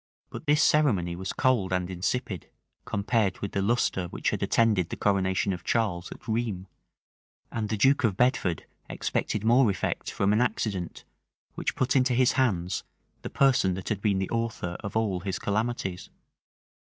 But this ceremony was cold and insipid, compared with the lustre which had attended the coronation of Charles at Rheims; and the duke of Bedford expected more effect from an accident, which put into his hands the person that had been the author of all his calamities.